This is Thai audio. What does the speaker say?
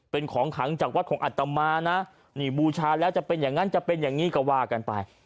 เป็นของขังจากวัดของอัตมานะนี่บูชาแล้วจะเป็นอย่างนั้นจะเป็นอย่างนี้ก็ว่ากันไป